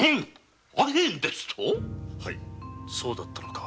そうだったのか。